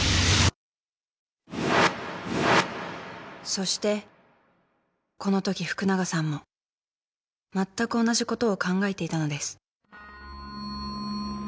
［そしてこのとき福永さんもまったく同じことを考えていたのです］